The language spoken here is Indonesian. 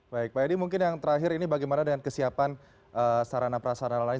baik pak edi mungkin yang terakhir ini bagaimana dengan kesiapan sarana prasarana lain